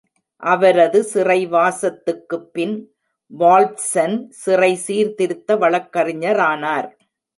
அவரது சிறைவாசத்துக்குப் பின், வோல்ஃப்சன் சிறை சீர்திருத்த வழக்கறிஞரானார்.